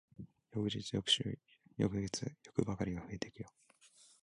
翌日、翌週、翌月、欲ばかりが増えてくよ。